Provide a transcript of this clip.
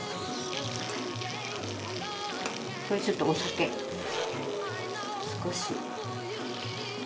これちょっとお酒少し。